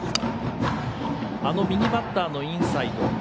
あの右バッターのインサイド。